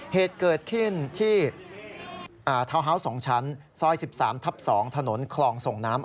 เหตุเกิดขึ้นที่ทาวน์ฮาวส์๒ชั้นซอย๑๓ทับ๒ถนนคลองส่งน้ำ